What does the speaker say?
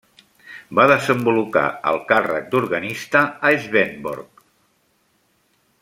Va desenvolupar el càrrec d'organista a Svendborg.